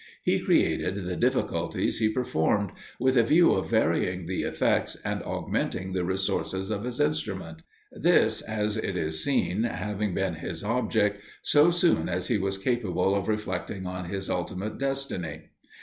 He created the difficulties he performed, with a view of varying the effects and augmenting the resources of his instrument this, as it is seen, having been his object, so soon as he was capable of reflecting on his ultimate destiny.